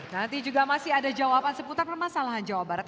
nanti juga masih ada jawaban seputar permasalahan jawa barat